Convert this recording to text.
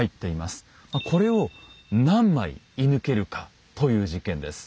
これを何枚射ぬけるかという実験です。